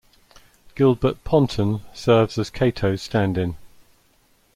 Gilbert Ponton serves as Cato's stand in.